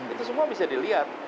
itu semua bisa dilihat